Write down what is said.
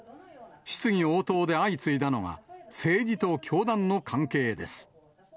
質疑応答で相次いだのが、政治と教団の関係です。